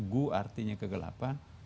gu artinya kegelapan